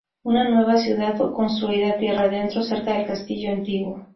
Una nueva ciudad fue construida tierra adentro cerca del castillo antiguo.